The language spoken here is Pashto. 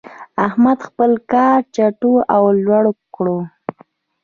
احمد خپل کار چټو او لړو کړ.